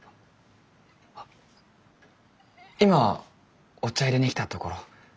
今お茶いれに来たところ。